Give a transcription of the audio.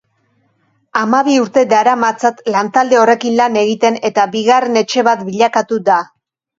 Hamabi urte daramatzat lantalde horrekin lan egiten eta bigarren etxe bat bilakatu da.